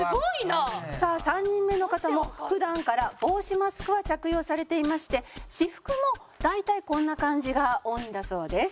さあ３人目の方も普段から帽子マスクは着用されていまして私服も大体こんな感じが多いんだそうです。